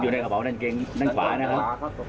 อยู่ในกระเป๋าด้านเกงด้านขวานะครับ